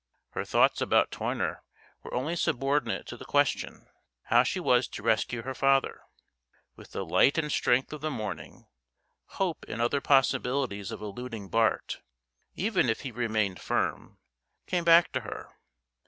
Her thoughts about Toyner were only subordinate to the question, how she was to rescue her father. With the light and strength of the morning, hope in other possibilities of eluding Bart, even if he remained firm, came back to her.